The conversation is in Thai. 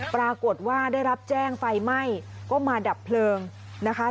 ปรากฏว่าได้รับแจ้งไฟไหม้ก็มาดับเพลิงนะคะ